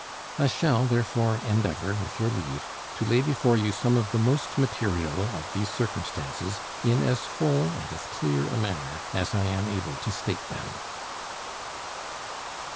I shall therefore endeavor, with your leave, to lay before you some of the most material of these circumstances in as full and as clear a manner as I am able to state them.